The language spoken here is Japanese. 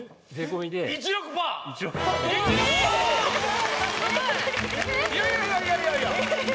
いやいやいやいや！